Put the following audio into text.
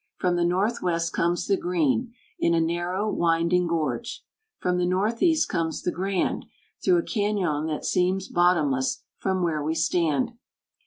From the northwest comes the Green, in a narrow, winding gorge. From the northeast comes the Grand, through a cañon that seems bottomless, from where we stand.